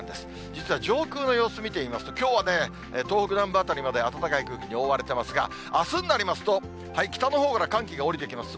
実は上空の様子見てみますと、きょうはね、東北南部辺りまで暖かい空気に覆われてますが、あすになりますと、北のほうから寒気が下りてきます。